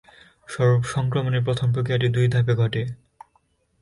সংক্রমণের প্রথম প্রক্রিয়াটি দুই ধাপে ঘটে।